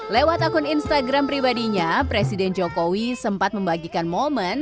lewat akun instagram pribadinya presiden jokowi sempat membagikan momen